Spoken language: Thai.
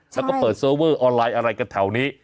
แล้วก็เปิดเซอร์เวอร์ออนไลน์อะไรกันแถวนี้